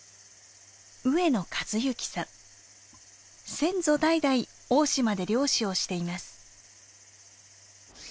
先祖代々大島で漁師をしています。